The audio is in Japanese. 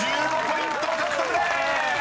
１５ポイント獲得でーす！］